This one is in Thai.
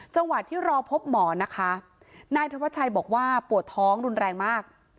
จังหวะที่รอพบหมอนะคะนายธวัชชัยบอกว่าปวดท้องรุนแรงมาก